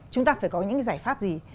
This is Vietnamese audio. chúng ta phải có những cái giải pháp gì